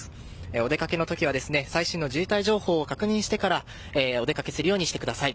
お出かけの時は最新の渋滞情報を確認してからお出かけするようにしてください。